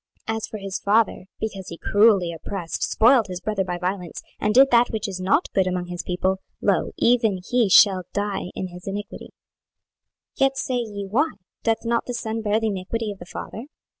26:018:018 As for his father, because he cruelly oppressed, spoiled his brother by violence, and did that which is not good among his people, lo, even he shall die in his iniquity. 26:018:019 Yet say ye, Why? doth not the son bear the iniquity of the father?